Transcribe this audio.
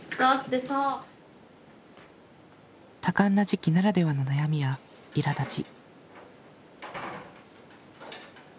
多感な時期ならではの悩みやいらだち。